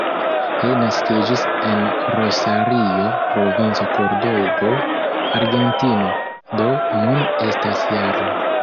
Li naskiĝis en Rosario, Provinco Kordobo, Argentino, do nun estas -jara.